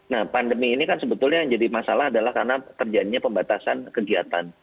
nah pandemi ini kan sebetulnya yang jadi masalah adalah karena terjadinya pembatasan kegiatan